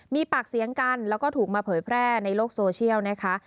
มีปากเสียงกันแล้วก็ถูกมาเผยแพร่ในโลกโซเชียลนะคะ